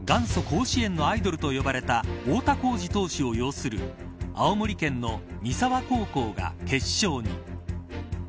甲子園のアイドルと呼ばれた太田幸司投手を擁する青森県の三沢高校が決勝に。